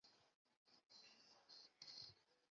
沈氏浅胸溪蟹为溪蟹科浅胸溪蟹属的动物。